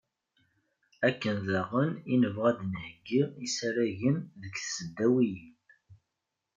Akken daɣen i nebɣa ad nheggi isaragen deg tesdawiyin.